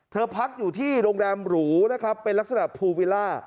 เธอพักอยู่ที่โรงแรมหรูนะครับเป็นลักษณะ